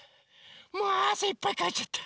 もうあせいっぱいかいちゃった。